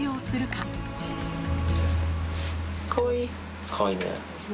かわいいね。